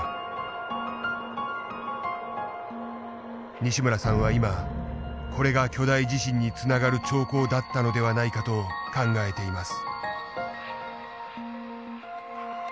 西村さんは今これが巨大地震につながる兆候だったのではないかと考えています。